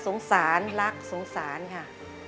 สงสารรักสงสารค่ะ